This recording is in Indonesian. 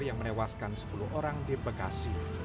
yang menewaskan sepuluh orang di bekasi